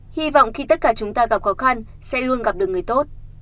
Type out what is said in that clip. hy vọng khi tất cả chúng ta gặp khó khăn sẽ luôn gặp được người tốt